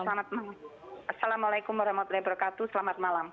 selamat malam assalamualaikum warahmatullahi wabarakatuh selamat malam